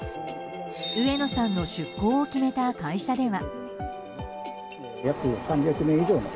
上野さんの出向を決めた会社では。